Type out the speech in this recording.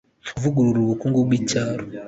kuvugurura ubukungu bw'icyaro